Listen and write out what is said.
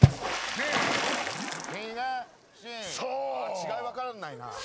違い分からないな。